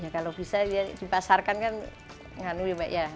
kalau bisa dipasarkan kan ngalui mbak ya